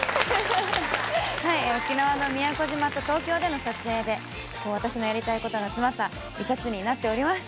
沖縄の宮古島と東京での撮影で、私のやりたいことが詰まった一冊になっております。